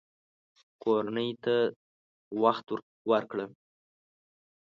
کورنۍ ته وخت ورکړه